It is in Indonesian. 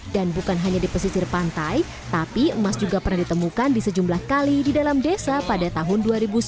dan bukan hanya di pesisir pantai tapi emas juga pernah ditemukan di sejumlah kali di dalam desa pada tahun dua ribu sembilan belas